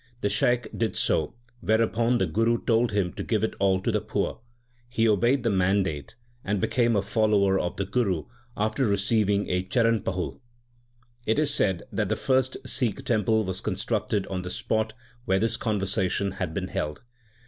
The Shaikh did so, where upon the Guru told him to give it all to the poor. He obeyed the mandate, and became a follower of the Guru after receiving charanpahul. 1 It is said that the first Sikh temple 2 was constructed on the spot where this conversation had been held.